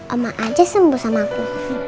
oma aja sembuh sama aku